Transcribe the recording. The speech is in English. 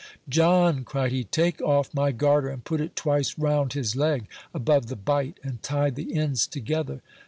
"John," cried he, "take off my garter and put it twice round his leg, above the bite, and tie the ends together."